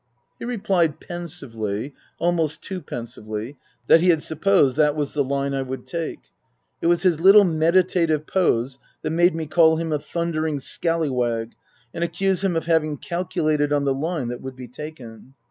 He replied pensively (almost too pensively) that he had supposed that was the line I would take. It was his little meditative pose that made me call him a thundering scallywag and accuse him of having calculated on the line that would be taken.